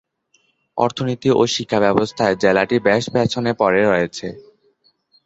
অর্থনীতি ও শিক্ষাব্যবস্থায় জেলাটি বেশ পেছনে পড়ে রয়েছে।